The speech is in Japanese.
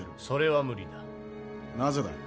それは無理だ。